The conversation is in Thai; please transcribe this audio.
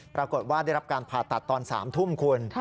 ปรากฏว่าได้รับการผ่าตัดตอน๓ทุ่มคุณ